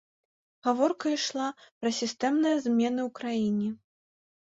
Гаворка ішла пра сістэмныя змены ў краіне.